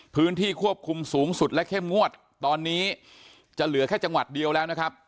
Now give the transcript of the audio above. พื้นที่ควบคุมสูงสุดและเข้มงวดตอนนี้จะเหลือแค่จังหวัดเดียวแล้วนะครับ